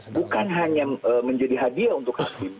bukan hanya menjadi hadiah untuk hakim